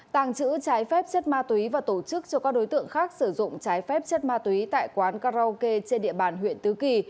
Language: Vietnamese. tàng trữ trái phép chất ma túy và tổ chức cho các đối tượng khác sử dụng trái phép chất ma túy tại quán karaoke trên địa bàn huyện tứ kỳ